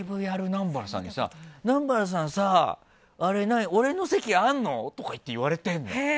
南原さんにさ南原さんさ俺の席あんの？とかって言われてるのよ。